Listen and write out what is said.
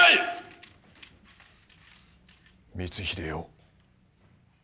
光秀よ。